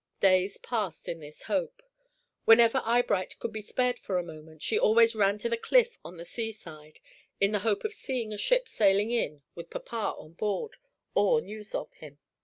Days passed in this hope. Whenever Eyebright could be spared for a moment, she always ran to the cliff on the sea side, in the hope of seeing a ship sailing in with papa on board, or news of him.